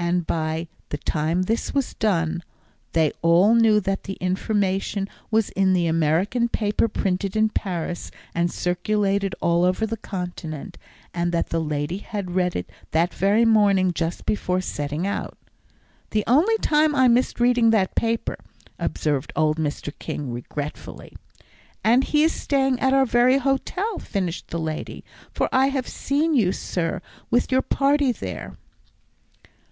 And by the time this was done, they all knew that the information was in the American paper printed in Paris, and circulated all over the Continent, and that the lady had read it that very morning just before setting out. "The only time I missed reading that paper," observed old Mr. King, regretfully. "And he is staying at our very hotel," finished the lady, "for I have seen you, sir, with your party there."